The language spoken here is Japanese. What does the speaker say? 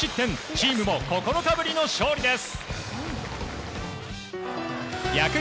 チームも９日ぶりの勝利です。